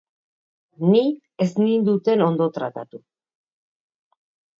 Ni ez ninduten ondo tratatu.